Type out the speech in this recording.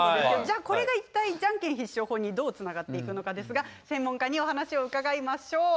これが、じゃんけん必勝法にどうつながっていくのか専門家にお話を伺いましょう。